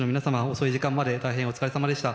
遅い時間まで大変お疲れさまでした。